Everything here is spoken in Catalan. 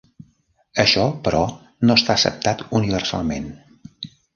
Això, però, no està acceptat universalment.